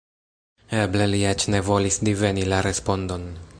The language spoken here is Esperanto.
Eble li eĉ ne volis diveni la respondon.